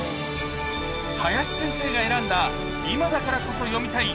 林先生が選んだ、今だからこそ読みたい！